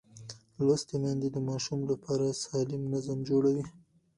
لوستې میندې د ماشوم لپاره سالم نظم جوړوي.